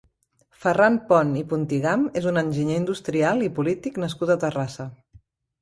Ferran Pont i Puntigam és un enginyer industrial i polític nascut a Terrassa.